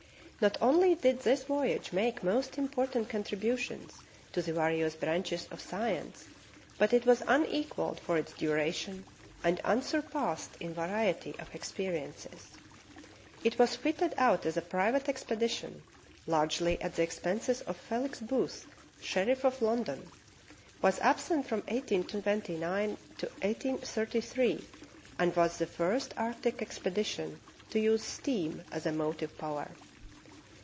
Not only did this vo3'age make most important contributions to the various branches of science, but it was unequalled for its duration and unsurpassed in variety of experiences. It w^as fitted out as a private expedition, largel}^ at the expense of Felix Booth, sheriff of London, was absent from 1829 to 1833, and was the first arctic expedition to use steam as a motive power.